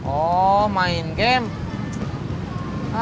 oh main game